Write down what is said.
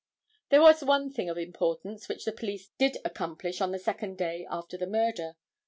There was one thing of importance which the police did accomplish on the second day after the murder.